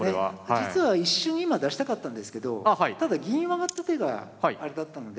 実は一瞬今出したかったんですけどただ銀を上がった手があれだったので。